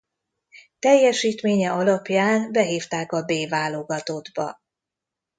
Teljesítménye alapján behívták a B válogatottba.